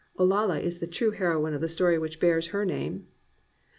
Olalla is the true heroine of the story which bears her name.